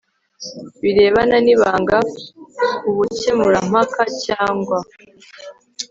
birebana n ibanga k ubukemurampaka cyangwa